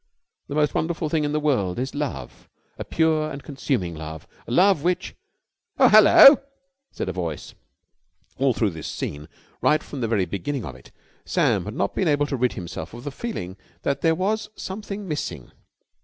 "The most wonderful thing in the world is love, a pure and consuming love, a love which...." "Oh, hello!" said a voice. All through this scene, right from the very beginning of it, Sam had not been able to rid himself of a feeling that there was something missing.